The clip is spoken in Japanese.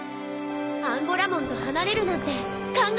アンゴラモンと離れるなんて考えられないわ！